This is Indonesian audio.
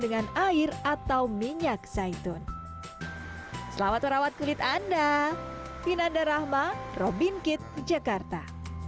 dengan air atau minyak zaitun selamat merawat kulit anda vinanda rahma robin kitt jakarta